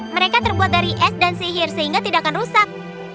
mereka terbuat dari es dan sihir sehingga tidak akan rusak